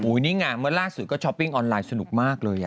นี่ไงสวัสดีกะเมื่อล่าสือก็ช้อปปิงออนไลน์สนุกมากเลย